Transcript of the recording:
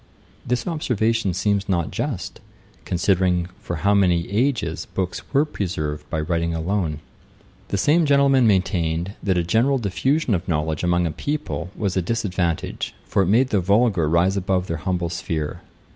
This observation seems not just, considering for how many ages books were preserved by writing alone. The same gentleman maintained, that a general diffusion of knowledge among a people was a disadvantage; for it made the vulgar rise above their humble sphere.